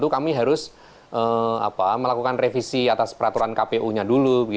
kami harus melakukan revisi atas peraturan kpu nya dulu